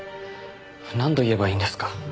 何度言えばいいんですか？